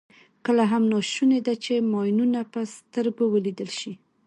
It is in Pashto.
کله هم ناشونې ده چې ماینونه په سترګو ولیدل شي.